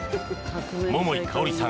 桃井かおりさん